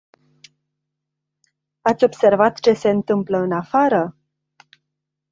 Ați observat ce se întâmplă în afară?